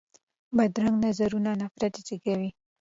بدرنګه نظرونه نفرت زېږوي